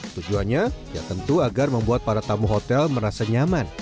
tujuannya ya tentu agar membuat para tamu hotel merasa nyaman